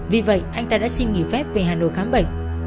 vì vậy anh ta đã xin nghỉ phép về hà nội khám bệnh